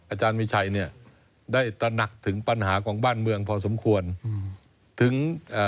อาจารย์มีชัยเนี่ยได้ตระหนักถึงปัญหาของบ้านเมืองพอสมควรอืมถึงเอ่อ